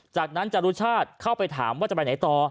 จากนั้นจรุชาติเข้าไปถามว่าจะไปไหนต่อ